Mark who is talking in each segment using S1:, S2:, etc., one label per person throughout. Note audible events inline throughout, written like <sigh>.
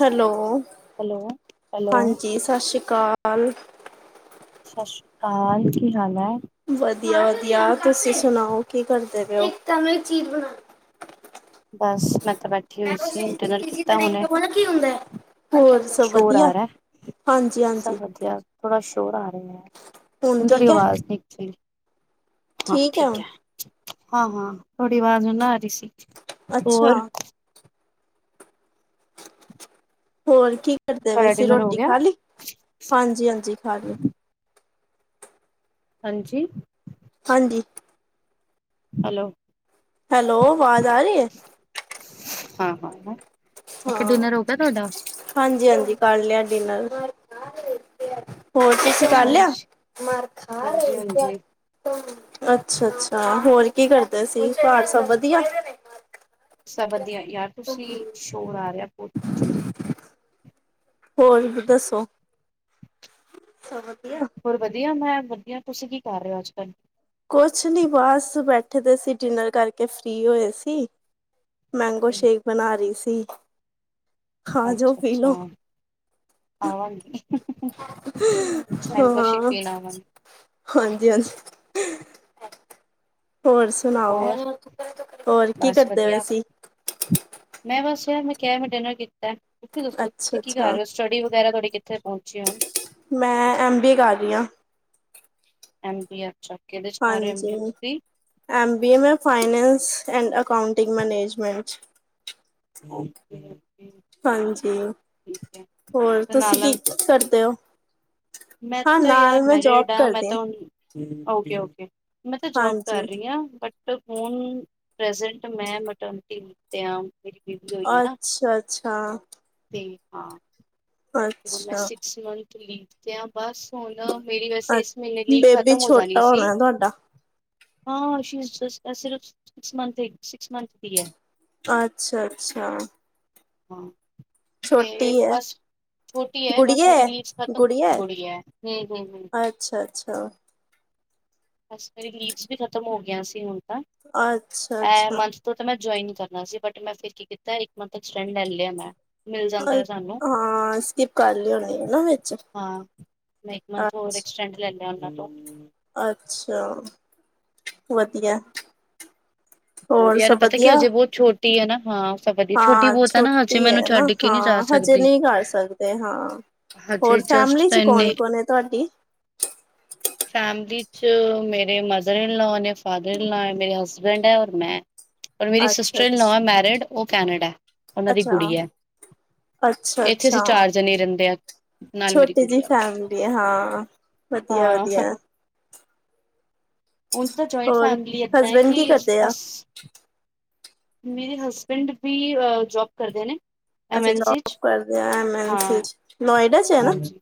S1: Hello,
S2: hello, hello
S1: ਹਾਂਜੀ। ਸਤਿ ਸ਼੍ਰੀ ਅਕਾਲ।
S2: ਸਤਿ ਸ੍ਰੀ ਅਕਾਲ। ਕੀ ਹਾਲ ਹੈ?
S1: ਵਧਿਆ- ਵਧੀਆ ਤੁਸੀਂ ਸੁਣਾਓ। ਕੀ ਕਰਦੇ ਪੈ ਓ।
S2: ਬਸ ਮੈਂ ਤਾਂ ਬੈਠੀ ਹੋਈ
S1: ਮੈਂ ਉਸ
S2: ਸੀ। ਡਿਨਰ
S1: ਇਸੀ
S2: ਕੀਤਾ
S1: ਤਰ੍ਹਾਂ ਇੱਕ
S2: ਹੁਣੇ।
S1: ਬੋਲਾ ਕੀ ਹੁੰਦਾ ਹੈ ਹੋਰ ਸਭ
S2: ਸ਼ੋਰ
S1: ਵਧੀਆ
S2: ਆ ਰਿਹਾ।
S1: ਹਾਂਜੀ ਹਾਂਜੀ
S2: ਸਭ ਵਧਿਆ। ਥੋੜਾ ਸ਼ੋਰ ਆ ਰਿਹਾ ਹੈ।
S1: ਹੁਣ
S2: ਤੁਹਾਡੀ
S1: ਠੀਕ ਹੈ
S2: ਆਵਾਜ਼ ਨੀ ਠੀਕ, ਹਾਂ ਠੀਕ ਹੈ। ਹਾਂ ਹਾਂ। ਤੁਹਾਡੀ ਆਵਾਜ਼ ਨਹੀਂ ਨਾ ਆ ਰਹੀ ਸੀ।
S1: ਅੱਛਾ
S2: ਹੋਰ
S1: ਹੋਰ ਕੀ ਕਰਦੇ ਪੈ
S2: ਤੁਹਾਡਾ
S1: ਸੀ,
S2: ਡਿਨਰ ਹੋ
S1: ਰੋਟੀ
S2: ਗਿਆ
S1: ਖਾ ਲਈ? ਹਾਂਜੀ-ਹਾਂਜੀ ਖਾ ਲਈ।
S2: ਹਨ ਜੀ।
S1: ਹਨ ਜੀ।
S2: ਹੈਲੋ।
S1: ਹੈਲੋ, ਆਵਾਜ਼ ਆ ਰਹੀ ਹੈ।
S2: ਹਾਂ ਹਾਂ। ਮੈਂ ਕਿਆ
S1: ਹਾਂ
S2: ਡਿਨਰ ਹੋ ਗਿਆ ਤੁਹਾਡਾ?
S1: ਹਾਂਜੀ ਹਾਂਜੀ ਕਰ ਲਿਆ ਡਿਨਰ। ਹੋਰ ਤੁਸੀ ਕਰ
S2: ਅੱਛਾ
S1: ਲਿਆ?
S2: ਹਾਂਜੀ ਹਾਂਜੀ
S1: ਅੱਛਾ ਅੱਛਾ। ਹੋਰ ਕੀ ਕਰਦੇ ਸੀ ਘਾਰ ਸਭ ਵਧੀਆ?
S2: ਸਭ ਦੀਆਂ ਯਾਰ ਤੁਸੀਂ, ਸ਼ੋਰ ਆ ਰਿਹਾ ਬੁ
S1: ਹੋਰ ਵੀ ਦੱਸੋ? ਸਭ ਵਧੀਆ।
S2: ਹੋਰ ਵਧੀਆ। ਮੈਂ ਵਧੀਆ। ਤੁਸੀਂ ਕੀ ਕਰ ਰਿਹ ਓ, ਅੱਜ-ਕੱਲ੍ਹ।
S1: ਕੁਛ ਨੀ ਬਸ ਬੈਠੇ ਦੇ ਸੀ। ਡਿਨਰ ਕਰਕੇ ਫ੍ਰੀ ਹੋਏ ਗੇ ਸੀ। ਮੈਂਗੋ ਸ਼ੇਕ ਬਣਾ ਰਹੀ ਸੀ। ਆਜੋ
S2: ਅੱਛਾ
S1: ਪੀ ਲੋੋ।
S2: ਅੱਛਾ ਆਵਾਂਗੀ ਮੈਂਗੋ ਸ਼ੇਕ
S1: ਹਾਂ।
S2: ਪੀਣ ਆਵਾਂਗੀ
S1: ਹਾਂਜੀ ਹਨ। ਹੋਰ ਸੁਣਾਓ।
S2: ਹੋਰ
S1: ਹੋਰ ਕੀ
S2: ਬਸ
S1: ਕਰਦੇ
S2: ਵਧੀਆ
S1: ਪੇਸੀਂ।
S2: ਮੈਂ ਬੱਸ ਮੈਂ ਕਿਹਾ ਮੈਂ ਡਿਨਰ ਕੀਤਾ। ਤੁਸੀਂ ਦੱਸੋ,
S1: ਅੱਛਾ
S2: ਤੁਸੀਂ ਕੀ ਕਰ
S1: ਅੱਛਾ
S2: ਰਹੇ ਓ। ਸਟੱ ਵਗੈਰਾ ਤੁਹਾਡੀ ਕਿੱਥੇ ਪਹੁੰਚੀ।
S1: ਮੈਂ ਐਮ- ਬੀ-ਏ ਕਰ ਰਹੀ ਹਾਂ।
S2: ਐਮ-ਬੀ-ਏ, ਅੱਛਾ। ਕਿਹਦੇ ਚ ਕਰ ਰਹੇ ਹੋ ਐਮ ਬੀ
S1: ਹਾਂਜੀ।
S2: ਏ ਤੁਸੀਂ
S1: ਐਮ- ਬੀ -ਏ ਮੈਂ ਫਾਈਨੈਂਸ ਐਂਡ ਅਕਾਊਂਟਿੰਗ ਮੈਨੇਜਮੈਂਟ 'ਚ।
S2: <unintelligible>
S1: ਹਾਂਜੀ।
S2: ਠੀਕ ਹੈ
S1: ਹੋਰ
S2: ਤੇ
S1: ਤੁਸੀਂ
S2: ਨਾਲ
S1: ਕੀ
S2: ਨਾਲ
S1: ਕਰਦੇ ਓ।
S2: ਮੈਂ ਤਾਂ ਯਾਰ ਮੈਰਿਡ ਹਾਂ। ਮੈਂ ਤਾਂ ਹੁਣ ਓਕੇ ਓਕੇ, ਮੈਂ ਤਾਂ ਜੋਬ
S1: ਹਾਂਜੀ
S2: ਕਰ ਰਹੀ ਹਾਂ। ਬਟ ਹੁਣ ਪ੍ਰੈਜੈਂਟ ਮੈਂ ਮੈਟਰਨਟੀ ਲਿਤਿਆ। <unintelligible>
S1: ਅੱਛਾ-ਅੱਛਾ।
S2: ਤੇ ਹਾਂ ਮੈਂ
S1: ਅੱਛਾ
S2: ਸਿਕਸ ਮੰਥ ਲੀਵ ਤੇ ਆ। ਬਸ ਹੁਣ ਮੇਰੀ ਵੈਸੇ
S1: ਅ
S2: ਇਸ ਮਹੀਨੇ ਲੀਵ
S1: ਬੇਬੀ
S2: ਖ਼ਤਮ ਹੋ ਜਾਣੀ
S1: ਛੋਟਾ
S2: ਸੀ।
S1: ਹੋਣਾ ਤੁਹਾਡਾ
S2: ਹਾਂ <unintelligible> ਇਹ ਸਿਰਫ ਸਿਕਸ ਮੰਥ ਦੀਆ ਹੈ।
S1: ਅੱਛਾ-ਅੱਛਾ
S2: ਹਾਂ ਤੇ
S1: ਹੈ
S2: ਬਸ ਛੋਟੀ ਹੈ ਬਸ ਮੇਰੀ ਲੀਵਸ ਖਤਮ ਬੁੜੀ ਹੈ ਹਮ-ਹਮ ਹਮ।
S1: ਅੱਛਾ ਅੱਛਾ
S2: ਬਸ ਮੇਰੀ ਲੀਵਸ ਵੀ ਖ਼ਤਮ ਹੋ ਗਈਆਂ ਸੀ ਹੁਣ ਤਾ।
S1: ਅੱਛਾ-ਅੱਛਾ
S2: ਉਹ ਤਾਂ ਮੈਂ ਜੁਆਇਨ ਕਰਨਾ ਸੀ ਬਟ ਮੈਂ ਫਿਰ ਕੀ ਕੀਤਾ ਇੱਕ ਮੰਥ ਐਕਸੈਂਡ ਲੈ ਲਿਆ ਮੈਂ। ਮਿਲ ਜਾਂਦਾ ਸਾਨੂੰ,
S1: ਹਾਂ ਸਕਿਪ ਕਰ ਲਈ ਹੋਣੀ ਹੈ ਨਾ ਵਿੱਚ
S2: ਹਾਂ। ਮੈਂ ਇੱਕ ਮਥ ਹੋਰ
S1: ਅੱਛਾ
S2: ਐਕਸਡੈਂਟ ਲੈ ਲਿਆ ਉਹਨਾਂ ਤੋਂ।
S1: ਅੱਛਾ ਵਧੀਆ।
S2: ਹੋਰ ਯਾਰ
S1: ਸਭ
S2: ਪਤਾ ਕੀ
S1: ਵਧੀਆ
S2: ਹਜੇ ਬਹੁਤ ਛੋਟੀ ਹੈ ਨਾ ਹਾ।
S1: ਹਾਂ ਛੋਟੀ ਹੈ ਨਾ
S2: ਕੇ ਨਹੀਂ ਜਾ
S1: ਹਾਂ ਹਜੇ
S2: ਸਕਦੀ
S1: ਨਹੀਂ ਕਰ ਸਕਦੇ ਹਾਂ।
S2: ਹਜੇ
S1: ਹੋਰ
S2: ਜਸਟ
S1: ਫੈਮਲੀ
S2: ਤਾਂ
S1: ਚ
S2: ਇੰਨੇ
S1: ਕੌਣ-ਕੌਣ ਹੈ ਤੁਹਾਡੀ?
S2: ਫੈਮਿਲੀ ਚ ਮੇਰੇ ਮਦਰ ਇਨ ਲਾ ਨੇ, ਫਾਦਰ ਇਨ ਲਾ ਹੈ ਮੇਰੇ ਹਸਬੈਂਡ ਹੈ ਔਰ ਮੈਂ ਔਰ ਮੇਰੀ
S1: ਅੱਛਾ
S2: ਸਿਸਟਰ ਇਨ ਲੋ ਹੈ
S1: ਅੱਛਾ
S2: ਮੈਰਿਡ ਉਹ ਕੈਨੇਡਾ, ਉਹਨਾਂ ਦੀ ਕੁੜੀ ਹੈ। ਇੱਥੇ
S1: ਅੱਛਾ-ਅੱਛਾ
S2: ਅਸੀਂ ਚਾਰ ਜਣੇ ਰਹਿੰਦੇ ਆ ਨਾਲ ਮੇਰੀ
S1: ਛੋਟੀ ਜਿ
S2: ਕੁੜੀ ਆ
S1: ਫੈਮਲੀ ਹੈ ਹਾਂ। ਵਧੀਆ-ਵਧੀਆ
S2: ਉੰਝ ਤਾਂ ਜੁਆਇੰਟ
S1: ਹੋਰ
S2: ਫੈਮਲੀ ਏਦਾਂ ਹੈ
S1: ਹਸਬੈਂਡ
S2: ਕਿ
S1: ਕੀ ਕਰਦੇ ਆ
S2: ਅਸ ਮੇਰੇ ਹਸਬੈਂਡ ਵੀ ਜੋਬ ਕਰਦੇ ਨੇ।
S1: ਅੱਛਾ
S2: ਐਮਸੀ
S1: ਜੋਬ
S2: ਚ
S1: ਕਰਦੇ ਆ ਐਮ ਐਨ
S2: ਹਾਂ
S1: ਸੀ ਚ ਨੋਇਡਾ ਚ ਹੈ ਨਾ
S2: ਹਾਂਜੀ।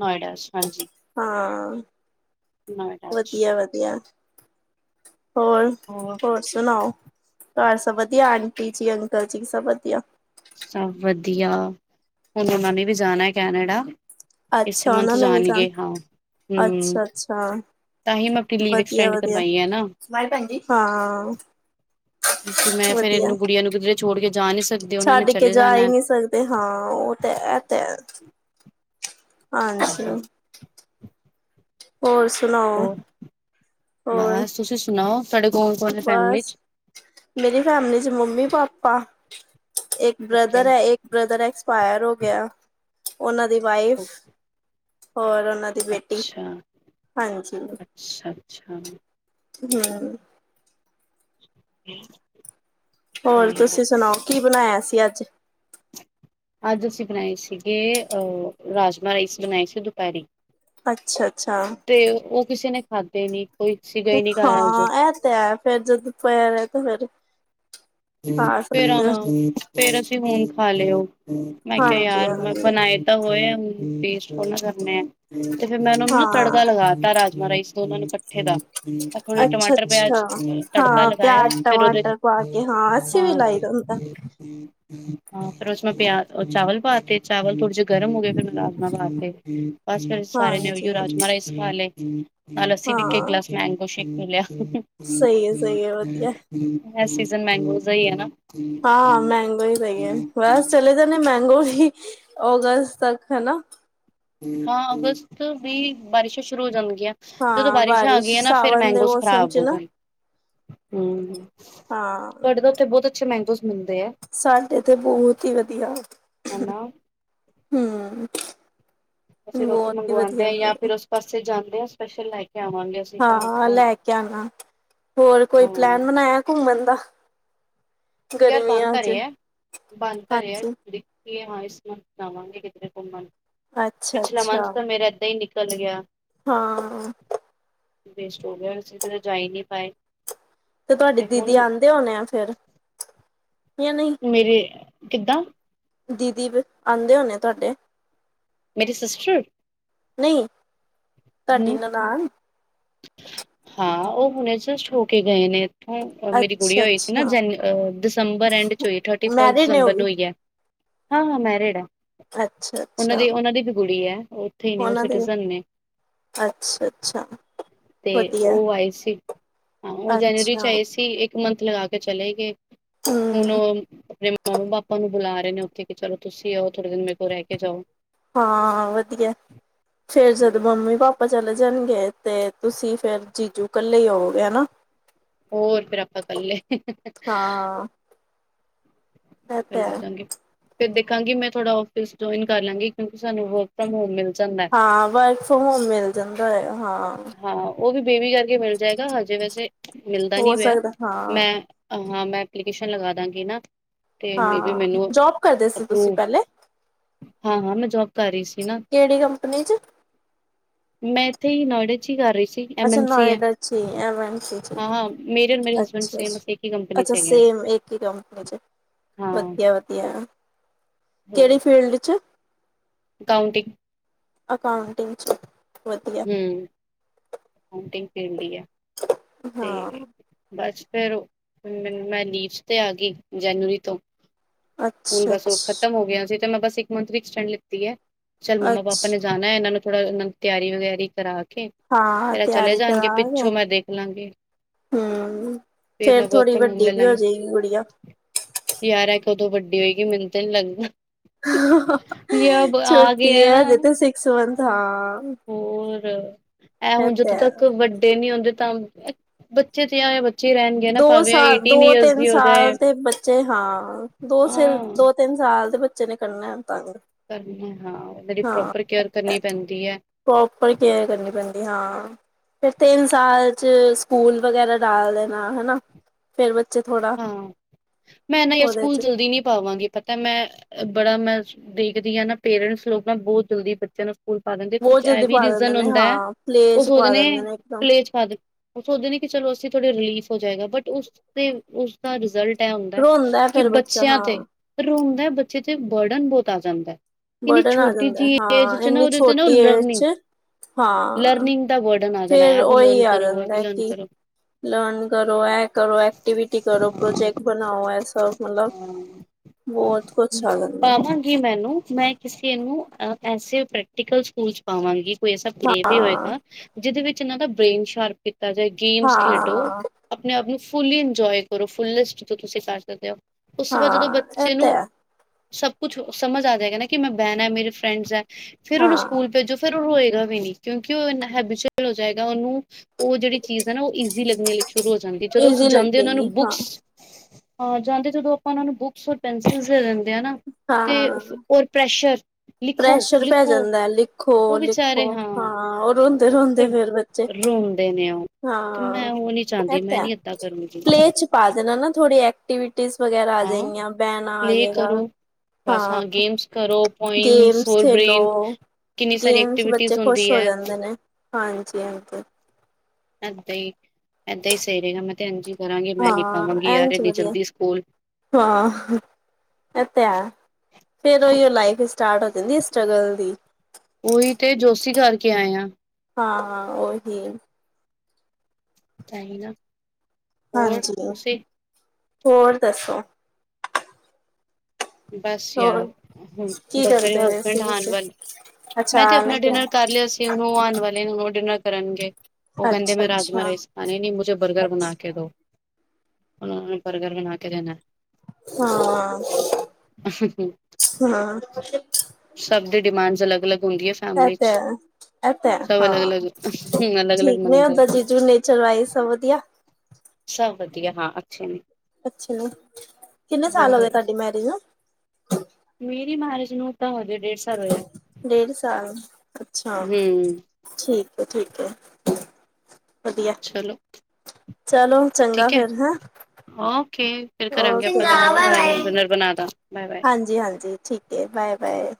S2: ਨੋਇਡਾ ਚ ਹਾਂਜੀ।
S1: ਹਾਂ
S2: ਨੋਇਡਾ ਚ
S1: ਵਧੀਆ-ਵਧੀਆ ਹੋਰ ਹੋਰ ਸੁਣਾਓ ਘਰ ਸਭ ਵਧੀਆ ਆਂਟੀ ਜੀ, ਅੰਕਲ ਜੀ ਸਭ ਵਧੀਆ।
S2: ਸਭ ਵਧੀਆ ਹੁਣ ਉਹਨਾਂ ਨੇ ਵੀ ਜਾਣਾ ਕੈਨੇਡਾ। ਇਸੇ
S1: ਅੱਛਾ
S2: ਮੰਥ
S1: ਉਹਨਾਂ ਨੇ ਵੀ ਜਾਣ
S2: ਜਾਣਗੇ ਹਾਂ। ਹਮ
S1: ਅੱਛਾ ਅੱਛਾ
S2: ਤਾਂ ਹੀ ਮੈਂ ਆਪਣੀ ਲੀਵ ਐਕਸਟੈਂਡ ਕਰਵਾਈਆ ਨਾ।
S1: ਨਾਲ ਭੈਜੀ ਹਾਂ।
S2: ਕਿ ਮੈਂ ਫੇਰ
S1: ਵਧੀਆ
S2: ਇਹਨੂੰ ਗੁੜੀਆਂ ਨੂੰ ਕਿੱਧਰੇ ਛੋੜ ਕੇ ਜਾ ਨੀ ਸਕ
S1: ਛੱਡ ਕੇ ਜਾ ਹੀ ਨਹੀਂ ਸਕਦੇ ਹਾਂ ਉਹ ਤੇ ਇਹ ਤੇ ਹੈ। ਹਾਂਜੀ
S2: ਤਾਂਹੀ
S1: ਹੋਰ ਸੁਣਾਓ।
S2: ਹੋਰ
S1: ਹੋਰ
S2: ਬਸ ਤੁਸੀਂ ਸੁਣਾਓ ਤੁਹਾਡੇ ਕੌਣ-ਕੌਣ ਹੈ ਫੈਮਿਲੀ
S1: ਬਸ
S2: ਚ।
S1: ਮੇਰੀ ਫੈਮਲੀ ਚ ਮੰਮੀ, ਪਾਪਾ ਇੱਕ
S2: ਓਕੇ
S1: ਬ੍ਰਦਰ ਹੈ ਇੱਕ ਬ੍ਰਦਰ ਐਕਸਪਾਇਰ ਹੋ ਗਿਆ ਉਹਨਾਂ ਦੀ ਵਾਈਫ ਹੋਰ ਉਹਨਾਂ ਦੀ ਬੇਟੀ
S2: ਅੱਛਾ
S1: ਹਾਂਜੀ
S2: ਅੱਛਾ ਅੱਛਾ
S1: ਹਮ
S2: ਹਮ
S1: ਹੋਰ ਤੁਸੀਂ ਸੁਣਾਓ ਕੀ ਬਣਾਇਆ ਸੀ ਅੱਜ
S2: ਅੱਜ ਅਸੀਂ ਬਣਾਏ ਸੀਗੇ ਅਹ ਰਾਜਮਹ ਰਾਈਸ ਬਣਾਏ ਸੀ ਦੁਪਹਿਰੀ
S1: ਅੱਛਾ-ਅੱਛਾ
S2: ਤੇ ਉਹ ਕਿਸੇ ਨੇ ਖਾਧੇ ਨੀ। ਕੋਈ ਸੀਗਾ ਹੀ ਨੀ ਘਰ ਅੱਜ
S1: ਹਾਂ ਇਹ ਤੇ ਹੈ ਫੇਰ ਜਦ <unintelligible> ਹੈ ਤੇ ਫੇਰ ਖਾ
S2: ਫੇਰ
S1: ਸਕਦੇ ਹੋ।
S2: ਫੇਰ ਅਸੀਂ ਹੁਣ ਖਾ ਲਿਓ ਮੈਂ ਕਿਹਾ
S1: ਹਾਂਜੀ
S2: ਯਾਰ ਮੈਂ
S1: ਹਾਂਜੀ
S2: ਬਣਾਏ ਤਾਂ ਹੋਏ ਆ ਵੇਸਟ ਥੋੜਾ ਨਾ ਕਰਨੇ ਆ ਤੇ ਫੇਰ ਮੈਂ ਉਹ ਨੂੰ ਨਾ
S1: ਹਾਂ
S2: ਤੜਕਾ ਲਗਾ ਰਾਜਮਾ ਰਾਈਸ ਦੋਨਾਂ ਨੂੰ ਕੱ ਮੱਠੇ ਦਾ ਥੋੜ੍ਹੇ
S1: ਅੱਛਾ
S2: ਟਮਾਟਰ, ਪਿਆਜ
S1: ਅੱਛਾ
S2: ਤੜਕਾ
S1: ਹਾਂ ਪਿਆਜ
S2: ਲਗਾਇਆ ਫੇਰ ਉਹਦੇ ਚ
S1: ਟਮਾਟਰ ਪਾ ਕੇ ਅਸੀਂ ਵੀ
S2: ਹਾਂ,
S1: ਲਾਈ ਦਾ ਹੁੰਦਾ
S2: ਹਾਂ ਫਿਰ ਉਸਨੂੰ ਪਿਆ ਚਾਵਲ ਪਾ ਤੇ। ਚਾਵਲ ਥੋੜ੍ਹੇ ਜੇ ਗਰਮ ਹੋਏ ਫਿਰ ਮੈਂ ਰਾਜਾ ਪਾ ਕੇ ਬਸ ਫਿਰ ਸਾਰੇ ਨੇ ਉਹੀਓ
S1: ਹਾਂਜੀ
S2: ਰਾਜਮਾ ਰ <unintelligible> ਨਾਲ ਅਸੀਂ ਵੀ ਇੱਕ
S1: ਹਾਂ
S2: ਗਲਾਸ ਮੈਂਗੋ ਸ਼ੇਕ ਪੀ ਲਿਆ।
S1: ਸਹੀ ਹੈ ਸਹੀ ਹੈ ਵਧੀਆ
S2: ਇਹ ਸੀਜਨ ਮੈਂਗੋਜ ਦਾ ਹੀ ਹੈ ਨਾ।
S1: ਹਾਂ ਮਹਿੰਗੋ ਹੀ ਸਹੀ ਹੈ ਬਸ ਚਲੇ ਨੇ ਮੈਂਗੋ ਹੀ ਅਗਸਤ ਤੱਕ ਹਨਾ
S2: ਹਾਂ ਅਗਸਤ ਵੀ ਬਾਰਿਸ਼ਾਂ ਸ਼ੁਰੂ ਹੋ ਜਾਂਣਗੀਆਂ ਜਦੋਂ
S1: ਹਾਂ
S2: ਬਾਰਿਸ਼ਾਂ ਆ
S1: ਬਾਰਿਸ਼
S2: ਗਈਆਂ ਨਾ ਫੇਿਰ
S1: ਸਾਵਣ ਦੇ
S2: ਮੈਂਗੋਸ
S1: ਮੌਸਮ
S2: ਖ਼ਰਾਬ
S1: ਚ
S2: ਹੋ
S1: ਨਾ
S2: ਗਏ ਹਮ
S1: ਹਾਂ
S2: ਉ ਬਹੁਤ ਅੱਛੇ ਮੈਗੋਜ ਮਿਲਦੇ ਆ
S1: ਸਾਡੇ ਤੇ ਬਹੁਤ ਹੀ ਵਧੀਆ ਹਮ
S2: ਹਨਾ ਅਸੀਂ ਉੱਥ
S1: ਬਹੁਤ ਹੀ
S2: ਮੰਗਵਾਉਂਦੇ
S1: ਵਧੀਆ
S2: ਹਾਂ ਜਾਂ ਫਿਰ ਉਸ ਪਾਸੇ ਜਾਂਦੇ ਆਾਂ ਸਪੈਸ਼ਲ ਲੈ ਕੇ ਆਵਾਂਗੇ ਅਸੀਂ ਤਾਂ
S1: ਹਾਂ
S2: ਉੱਥੋਂ
S1: ਲੈ ਕੇ ਆਣਾ ਹੋਰ ਕੋਈ
S2: ਹਾਂ
S1: ਪਲੈਨ ਬਣਾਇਆ ਘੁੰਮਣ ਦਾ
S2: ਯਾਰ
S1: ਗਰਮੀਆਂ
S2: ਬਣਤਾਾਰ
S1: ਚ
S2: ਹੈ ਬਣਤਰਾਰ
S1: ਹਾਂਜੀ
S2: ਖੀ ਹਾਂ ਇਸ ਮੰਣਾਵਾਂਗੇ ਕਿਧਰੇ ਘੁੰਮਣ
S1: ਅੱਛਾ
S2: ਪਿਛਲਾ ਮੰਥ
S1: ਅੱਛਾ
S2: ਤਾਂ ਮੇਰੇ ਇੱਦਾਂ ਹੀ ਨਿਕਲ ਚੱਲ ਗਿਆ
S1: ਹਾਂ
S2: ਵੇਸਟ ਹੋ ਗਿਆ ਅਸੀ ਕਤੇ ਜਾਈ ਨਹੀਂੀ ਪਾਏ
S1: ਤੇ ਤੁਹਾਡੀ ਦੀਦੀ ਆਉਂਦੇ ਹੋਣੇ ਆ ਫਿਰ ਯ ਨਹੀਂ
S2: ਮੇਰੇ ਕਿੱਦਾਂ
S1: ਦੀਦੀ ਆਉਂਦੇ ਹੋਣੇ ਤੁਹਾਡੇ
S2: ਮੇਰੀ ਸਿਸਟਰ
S1: ਨਹੀਂ ਤੁਹਾਡੀ
S2: ਹੂੰ
S1: ਨਨਾਾਨ
S2: ਹਾਂ ਉਹ ਹੁਣੇ ਜਸਟ ਹੋ ਕੇ ਗਏ ਨੇ ਹਾਂ ਮੇਰੀ ਕੁੜੀ
S1: ਅੱਛਾ
S2: ਹੋਈ ਸੀ ਨਾ
S1: ਅੱਛਾ
S2: ਜਨ ਦਸੰਬਰ ਐਂਡ 'ਚ ਹੋਈ ਥਰਟੀ ਫਸਟ
S1: ਮੈਰਿਡ ਨੇ ਉਹ
S2: ਦਸੰਬਰ
S1: ਵੀ
S2: ਨੂੰ ਹੋਈ ਹੈ ਹਾਂ ਹਾਂ ਮੈਰਿਡ ਹੈ
S1: ਅੱਛਾ
S2: ਉਹਨਾਂ
S1: ਅੱਛਾ
S2: ਦੀ ਉਹਨਾਂ ਦੀ ਵੀ ਗੜੀ ਹੈ ਇੱਥੇ ਨੇ ਉਹ
S1: ਉਹਨਾਂ ਦੇ
S2: ਸਿਟੀਜਨ ਨੇ
S1: ਅੱਛਾ ਅੱਛਾ
S2: ਤੇ
S1: ਵਧੀਆ
S2: ਉਹ ਆਏ ਸੀ ਹਾਂ ਉਹ ਜਨਵਰੀ ਚ
S1: ਅੱਛਾ
S2: ਆਏ ਸੀ ਇੱਕ ਮਥ ਲਗਾ ਕੇ ਚਲੇ ਗਏ ਹੁਣ
S1: ਹਮ
S2: ਉਹ ਆਪਣੇ ਮਾਮਾ ਪਾਪਾ ਨੂੰ ਬੁਲਾ ਰਹੇ ਨੇ ਉੱਥੇ ਚਲੋ ਤੁਸੀਂ ਆਓ ਥੋੜੇ ਦਿਨ ਮੇਰੇਲ ਰਹਿ ਕੇ ਜਾਓ
S1: ਹਾਂ ਵਧੀਆ ਫੇਰ ਜਦੋਂ ਮੰਮੀ ਪਾਪਾ ਆਪਾਂ ਚੱਲ ਜਾਣਗੇ ਤੇ ਤੁਸੀਂ ਫੇਰ ਜੀਜੂ ਕੱਲੇ ਆਓਗੇ ਹਨਾ
S2: ਹੋਰ ਫਿਰ ਆਪਾਂ ਕਰੱਲੇ
S1: ਹਾਂ ਇਹ ਤੇ
S2: ਇਕੱਲੇ
S1: ਹੈ
S2: ਹੌ ਜਾਂਵਾਗੇ ਫੇਰ ਦੇਾਂ ਮੈਂ ਥੋੜਾ ਔਫਿਸ ਜੁਆਇਨ ਕਰ ਲਾਂਗੀ ਕਿਉਂਕਿ ਸਾਨੂੰ ਵਰਕ ਫਰੋਮ ਹੋਮ ਮਿਲ ਜਾਂਦਾ ਹੈ
S1: ਹਾਂ ਵਰਕ ਫਰੋਮ ਹੋਮ ਮਿਲ ਜਾਂਦਾ ਹੈ ਹਾਂ
S2: ਹਾਂ ਉਹ ਵੀ ਬੇਬੀ ਕਰਕੇ ਮਿਲ ਜਾਏਗਾ ਹਜੇ ਵੈਸੇ ਮਿਲਦਾ ਨਹੀਂੀ
S1: ਹੋ
S2: ਪਿਆ
S1: ਸਕਦਾ ਹਾਂ
S2: ਮੈਂ ਹਾਂ ਮੈਂ ਐਪਲੀਕੇਸ਼ਨ ਲਗਾ ਦਾਂਗੀ ਨਾ ਤੇ ਮੇਬੀ
S1: ਹਾਂ
S2: ਮੈਨੂੰ
S1: ਜੋਬ ਕਰਦੇ ਸੀ ਤੁਸੀਂ
S2: ਅਪਰੂਵ
S1: ਪਹਿਲੇ
S2: ਹਾਂ ਹਾਂ ਮੈਂ ਜੋਬ ਕਰ ਰਹੀ ਸੀ ਨਾ
S1: ਨੀ ਜ
S2: ਮੈਂ ਇੱਥੇ ਹੀ ਨੋਇਡੇ ਚ ਹੀ ਕਰ ਰਹੀ ਸੀ
S1: ਅੱਛਾ
S2: ਮ ਸੀ ਹੈ
S1: ਨੋਇਡਾ 'ਚ ਈ ਐਮ ਐਨ ਸੀ 'ਚ ਹੀ।
S2: ਹਾਂਜੀਮੇਰੇ ਔ ਮੇਰੇ
S1: ਅੱਛਾ
S2: ਹਸਬੈਂਡ
S1: ਅੱਛਾ
S2: ਮਸ
S1: ਅੱਛਾ ਸੇਮ ਇੱਕ ਹੀ ਕੰਪਨੀ ਚ
S2: ਹਾਂ
S1: ਵਧੀਆ ਵਧੀਆ ਕਿਹੜੀ ਫੀਲਡ '
S2: ਕਾਊਂਟੀਿੰਗ
S1: ਅਕਾਊਂਟਿੰਗ ਚ ਵਧੀਆ
S2: ਹਮ ਪੇਂਟਿੰਗ ਫੀਲਡ ਹੀ ਆ
S1: ਹਾਂ
S2: ਤੇ ਬਸ ਫੇਿਰ ਮੈਂ ਲੀਵਸ ਤੇ ਆ ਗਈ ਜਨਵਰੀ ਤੋਂ ਹੁਣ
S1: ਅੱਛਾ
S2: ਬਸ ਉਹ ਖ਼ਤਮ
S1: ਅੱਛਾ
S2: ਹੋ ਗਿਆ ਸੀ ਤੇ ਮੈਂ ਬਸ ਇੱਕ ਮੰਥ ਵੀਕਸਟੈਂਡ ਲਿੱਤੀ ਹੈ ਚੱਲ ਮੰਮਾ ਪਾਪਾ ਨੇ
S1: ਅੱਛਾ
S2: ਜਾਣਾ ਇਹਨਾਂ ਨੂੰ ਥੋੜਾ ਇਹਨਾਂ ਨੂੰ ਤਿਆਰੀ ਵਗੈਰੀ ਕਰਾ ਕੇ
S1: ਹਾਂ
S2: ਤੇਰਾ ਚਲੇ
S1: ਤਿਆਰੀ
S2: ਜਾਣਗੇ
S1: ਕਰਾ ਗੇ
S2: ਪਿੱਛੋਂ ਮੈਂ ਦੇਖ ਲਾਂਗੀ
S1: ਹੂੰ
S2: ਫਿਰ
S1: ਫੇਰ
S2: ਮੈਂ ਵਰਕ
S1: ਥੋੜ੍ਹੀ
S2: ਫਰੋਮ ਹੋਮ
S1: ਵੱਡੀ
S2: ਲੈ
S1: ਵੀ ਹੋ
S2: ਲਾਂਗੀ
S1: ਜਾਏਗੀ ਗੁੜੀਆ
S2: ਯਾਰਾਂ ਕਦੋਂ ਵੱਡੀ ਹੋਏਗੀ ਮੈਨੂੰ ਤਾਂ ਨੀ ਲੱਗਦਾ ਯੇ ਅਬ ਆ ਗਏ
S1: ਛੋਟੀ
S2: ਹੈ
S1: ਆ ਜਿੱਥੇ
S2: ਨਾ
S1: ਸਿਕਸ ਮੰਥ ਹਾਂ
S2: ਹੋਰ ਇਹ
S1: ਇਹ
S2: ਹੁਣ
S1: ਤੇ
S2: ਜਦੋਂ
S1: ਹੈ
S2: ਤੱਕ ਵੱਡੇ ਨੀ ਆਉਂਦੇ ਤਾਂ ਬੱਚੇ ਤੇ ਆ
S1: ਦੋ ਸਾਲ ਦੋ ਤਿੰਨ ਸਾਲ
S2: ਜਾਏ
S1: ਦੇ ਬੱਚੇ ਹਾਂ ਦੋ ਸ
S2: ਹਾਂ
S1: ਦੋ ਤਿੰਨ ਸਾਲ ਦੇ ਬੱਚੇ ਨੇ ਕੱਨਾ ਤੰਗ
S2: ਕਰਨ ਹਾਂ ਉਹਨਾਂ
S1: ਹਾਂ
S2: ਪ੍ਰੋਪਰ ਕੇਅਰ ਕਰਨੀ ਪੈਂਦੀ ਹੈ
S1: ਪ੍ਰੋਪਰ ਕੇਅਰ ਕਰਨੀ ਪੈਂਦੀ ਹਾਂ ਫਿਰ ਤਿੰਨ ਸਾਲ ਚ ਸਕੂਲ ਵਗੈਰਾ ਡਾਲ ਦੇਣਾ ਹਨਾ ਫੇਰ ਬੱਚੇ ਥੋੜਾ
S2: ਹਾਂ ਮੈਂ ਨਾ ਯਾਰ
S1: ਉਹਦੇ
S2: ਸਕੂਲ
S1: ਚ
S2: ਜਲਦੀ ਨੀ ਪਾਵਾਂਗੀ ਤਾਂ ਮੈਂ ਬੜਾ ਮੈਂ ਦੇਖਦੀ ਹਾਂ ਨਾ ਪੇਰੈਂਟਸ ਲੋਕ ਨਾ ਬਹੁਤ ਜਲਦੀ ਬ ਨੂੰ ਸਕੂਲ ਪਾ ਦਿੰਦੇ
S1: ਬਹੁਤ
S2: ਕੁਛ ਇਹ
S1: ਜਲਦੀ
S2: ਵੀ
S1: ਪਾ ਦਿੰਦੇ
S2: ਰੀਜ਼ਨ
S1: ਨੇ
S2: ਹੁੰਦਾ ਹੈ
S1: ਹਾਂ ਪਲੇ
S2: ਉਹ
S1: ਚ ਪਾ
S2: ਸੋਚਦੇ
S1: ਦਿੰਦੇ ਨੇ ਇੱਕਦਮ
S2: ਕਲੇਜ ਪਾ ਉਹ ਸੋਚਦੇ ਨੇ ਕਿ ਚਲੋ ਅਸੀਂ ਥੋੜੇ ਰਿਲੀਫ ਹੋ ਜਾਏਗਾ ਬਟ ਉਸ ਦਾ ਰਿਜ਼ਲਟ ਇਹ ਹੁੰਦਾ
S1: ਰੋਂਦਾ
S2: ਕਿ
S1: ਫੇਰ ਬੱਚਾ
S2: ਬੱਚਿਆਂ ਤੇ
S1: ਹਾਂ
S2: ਪਰੋਂਦਾ ਬੱਚੇ ਤੇ ਬਰਡਨ ਬਹੁਤ ਆ ਜਾਂਦਾ ਕਿੰਨੀ
S1: ਬਰਡਨ ਆ
S2: ਛੋਟੀ
S1: ਜਾਂਦਾ
S2: ਜਿਹੀ
S1: ਹਾਂ
S2: ਜ ਨਾ
S1: ਇੰਨੀ
S2: ਉਹਦੇ ਨਾ ਉਹ
S1: ਛੋਟੀ ਏਜ
S2: ਲਰਨਿੰਗ
S1: ਚ ਹਾਂ
S2: ਲਰਨਿੰਗ ਦਾ ਬਰਡਨ ਆ ਜਾਣਾ
S1: ਫੇਰ
S2: ਇਹ ਵੀ
S1: ਉਹੀ
S2: ਲਰਨ
S1: ਆ
S2: ਕਰੋ ਇਹ ਵੀ
S1: ਜਾਂਦਾ
S2: ਲਰਨ
S1: ਕਿ
S2: ਕਰੋ।
S1: ਲਰਨ ਕਰੋ ਇਹ ਕਰੋ ਐਕਟੀਵਿਟੀ ਕਰੋ
S2: ਹਾਂ
S1: ਪ੍ਰੋਜੈਕਟ ਬਣਾਓ ਇਹ ਸਭ ਮਤਲਬ
S2: ਹਾਂ
S1: ਬਹੁਤ ਕੁਛ ਆਦਾ
S2: ਪਾਵਾਂਗੀ ਮੈਨੂੰ ਮੈਂ ਕਿਸੇ ਨੂੰ ਅ ਐਸੇ ਪ੍ਰੈਕਟੀਕਲ ਸਕੂਲ ਚ ਪਾਵਾਂਗੀ ਕੋਈ ਐਸਾ ਜ ਵੀ
S1: ਹਾਂ
S2: ਹੋਏਗਾ ਜਿਹਦੇ ਵਿੱਚ ਇਹਨਾਂ ਦਾ ਬ੍ਰੇਨ ਸ਼ਾਰਪ ਕੀਤਾ ਜਾਏ ਗੇਮਸ ਖੇਡੋ
S1: ਹਾਂ
S2: ਆਪਣੇ ਆਪ ਨੂੰ ਫੁੱਲੀ ਇੰਜੋਏ ਕਰੋ ਫੁੱਲਿਸਟ ਤੋਂ ਤੁਸੀਂ ਕਰ ਸਕਦੇ ਹੋ ਉਸ ਤੋਂ ਬਾਅਦ ਜਦੋਂ
S1: ਹਾਂ ਇਹ
S2: ਬੱਚੇ
S1: ਤੇ
S2: ਨੂੰ
S1: ਹੈ
S2: ਸਭ ਕੁਛ ਸਮਝ ਆ ਜਾਏਗਾ ਨਾ ਕਿ ਮੈਂ ਬਹਿਣ ਆ ਮੇਰੀ ਫਰੈਂਡਸ ਹੈ ਫਿਰ ਉਹਨ
S1: ਹਾਂ
S2: ਸਕੂਲ ਪੇ ਜੋ ਫਿਰ ਉਹ ਰ ਹੋਏਗਾ ਵੀ ਨੀ ਕਿਉਂਕਿ ਉਹ ਇੰਨਾ ਹੈਬੀਚਅਲ ਹੋ ਜਾਏਗਾ ਉਹਨੂੰ ਉਹ ਜਿਹੜੀ ਚੀਜ਼ ਹੈ ਨਾ ਉਹ ਈਜ਼ੀ ਲੱਗ ਲਈ ਸ਼ੁਰੂ ਹੋ ਜਾਂਦੀ ਜਦੋਂ ਅਸੀਂ
S1: ਈਜ਼ੀ
S2: ਜਾਂਦੇ ਉਹ ਨੂੰ
S1: ਲੱਗੇਗੀ ਹਾਂ
S2: ਬੁੱਕਸ ਹਾਂ ਜਾਂਦੇ ਜਦੋਂ ਆਪਾਂ ਉਹਨਾਂ ਨੂੰ ਬੁੱਕਸ ਰ ਪੈਨਸਿਲ ਦੇ ਦਿੰਦੇ ਆ ਨਾ ਤੇ
S1: ਹਾਂ
S2: ਰ ਪ੍ਰੈਸ਼ਰ ਲਿਖੋ
S1: ਪ੍ਰੈਸ਼ਰ ਪੈ
S2: ਲਿਖੋ
S1: ਜਾਂਦਾ ਲਿਖੋ
S2: ਉਹ ਵਿਚਾਰੇ
S1: ਲਿਖੋ ਹਾਂ ਉਹ ਰੋਂਦੇ ਰੋਂਦੇ ਫੇਰ ਬੱਚੇ
S2: ਹਮ ਦੇ ਨੇ ਉਹ ਤੇ
S1: ਹਾਂ
S2: ਮੈਂ ਉਹ ਨੀ
S1: ਕ
S2: ਚਾਹੁੰਦੀ ਮੈਂ
S1: ਤਾਂ ਹੈ
S2: ਨੀ ਏਦਾਂ ਕਰੂੰਗੀ
S1: ਪਲੇਟ ਚ ਪਾ ਦੇਣਾ ਨਾ ਥੋੜੀ ਐਕਟੀਵਿਟੀ ਟੀ ਵਗੈਰਾ ਆ
S2: ਹਾਂ
S1: ਜਾਏਗੀਆਂ ਬੈਨਾਂ ਆ
S2: ਪਲੇ
S1: ਜਾਏਗਾ
S2: ਕਰੋ ਬਸ
S1: ਹਾਂ
S2: ਗੇਮਸ ਕਰੋ ਪੋਇਮਸ
S1: ਗੇਮਸ
S2: ਹੋਰ
S1: ਖੇਲੋ
S2: ਬ੍ਰੇਨ ਕਿੰਨੀ ਸਾਰੀ
S1: ਗੇਮਸ ਬੱਚੇ
S2: ਐਕਟੀਵਿਟੀਜ਼
S1: ਖ਼ੁਸ਼
S2: ਹੁੰਦੀ
S1: ਹੋ
S2: ਹੈ
S1: ਜਾਂਦੇ ਨੇ ਹਾਂਜੀ, ਹਾਂਜੀ
S2: ਅਦਈ ਅੱਦਈ ਸਰੇਗਾ ਮ ਤੇ ਅੰਜੀ
S1: ਹਾਂ ਅੰਜ ਵਧੀਆ
S2: ਸਕੂਲ
S1: ਹਾਂ ਇ ਤੇ ਹੈ, ਫਿਰ ਉਹੀ ਉਹ ਲਾਈਫ ਸਟਾਰਟ ਹੋ ਜਾਂਦੀ ਸਟਰ੍ਰਗਲ ਦੀ
S2: ਉਓਹੀ ਤੇ ਜੋਸ਼ੀ ਕਰਕੇ ਆਏ ਆ
S1: ਹਾਂ ਹਾਂ ਓਹੀ
S2: ਚਹੀਦਾ
S1: ਹਾਂਜੀ ਹੋਰ ਦੱਸੋ
S2: ਬਸ ਯਾਰ
S1: ਹੋਰ
S2: ਹਮ
S1: ਕੀ
S2: ਬਸ ਮੇਰੇ
S1: ਕਰਦੇ ਪਏ
S2: ਹਸਬੈਂਡ
S1: ਸੀ
S2: ਆਣ
S1: ਤੁਸੀਂ
S2: ਵਾਲੇ,
S1: ਅੱਛਾ
S2: ਮੈਂ ਤੇ
S1: ਆਣ
S2: ਆਪਣਾ
S1: ਲੱਗਿਆ
S2: ਡਿਨਰ ਕਰ ਲਿਆ ਸੀ ਤੇ ਉਹ ਹੁਣ ਆਉਣ ਵਾਲੇ ਨੇ ਉਹ ਡਿਨਰ ਕਰਨਗੇ ਉਹ ਕਹਿੰਦੇ
S1: ਅੱਛਾ
S2: ਮੈਂ ਰਾਜਮਾ
S1: ਅੱਛਾ
S2: ਰਾਈਸ ਪਾਣੇ ਨਹੀਂ ਮੁਝੇ ਬਰਗਰ ਬਣਾ ਕੇ ਦੋ ਉਹ ਨੂੰ ਬਰਗਰ ਬਣਾ ਕੇ ਦੇਣਾ
S1: ਹਾਂ ਹਾਂ
S2: ਸਭ ਦੀ ਡਿਮਾਂਡਸ ਅਲੱਗ ਅਲੱਗ ਹੁੰਦੀ ਹੈ ਫੈਮਿਲੀ ਚ
S1: ਇਤਾਂ ਇਤਾ
S2: ਸਭ
S1: ਹਾਂ
S2: ਅਲੱਗ ਅਲੱਗ ਅਲੱਗ ਅਲੱਗ
S1: ਠੀਕ ਨੇ
S2: ਮੰਗਦੇ
S1: ਓਦਾਂ ਜੀਜੂ ਨੇਚਰਵਾਾਈ ਸਭ ਵਧੀਆ
S2: ਸਭ ਵਧੀਆ ਹਾਂ ਅੱਛੇ ਨੇ
S1: ਅੱਛਾ ਜੀ ਕਿੰਨੇ ਸਾਲ ਹੋ ਗਏ
S2: ਹੋਰ
S1: ਤੁਹਾਡੀ ਮੈਰਿਜ ਨੂੰ
S2: ਮੇਰੀ ਮੈਰਿਜ ਨੂੰ ਤਾਂ ਹੋਜੇ ਡੇਟ ਸਾਲ ਹੋਇਆ
S1: ਡੇਢ ਸਾਲ ਅੱਛਾ
S2: ਹਮ
S1: ਠੀਕ ਹੈ ਠੀਕ ਹੈ ਵਧੀਆ
S2: ਚਲੌ
S1: ਚਲੋ ਚੰਗਾ ਫੇਰ ਹੈ।
S2: ਓਕੇ ਫਿਰ ਕਰਾਂਗੇ ਆਪਾਂ ਗੱਲ ਹੈ ਨਾ ਮੈਂ
S1: ਬਾਏ
S2: ਹੁਣ ਡਿਨਰ ਬਣਾ ਦਾਂ ਬਾਏ ਬ
S1: ਹਾਂਜੀ ਹਾਂਜੀ ਠੀਕ ਓਕੇ ਬਾਏ ਬਾਏ